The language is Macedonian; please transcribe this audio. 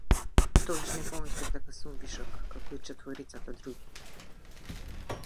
Тогаш не помислив дека сум вишок, како и четворицата други.